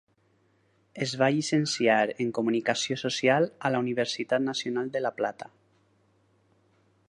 Es va llicenciar en Comunicació Social a la Universitat Nacional de la Plata.